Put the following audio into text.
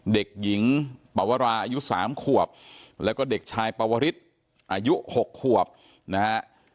เด็กหญิงปวราอายุ๓ขวบแล้วก็เด็กชายปวริสอายุ๖ขวบนะฮะ